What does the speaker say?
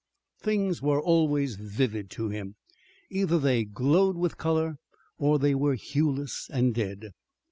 Things were always vivid to him. Either they glowed with color, or they were hueless and dead.